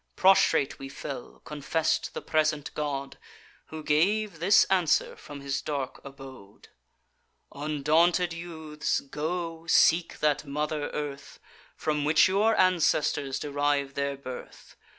Prostrate we fell; confess'd the present god, Who gave this answer from his dark abode: 'Undaunted youths, go, seek that mother earth From which your ancestors derive their birth.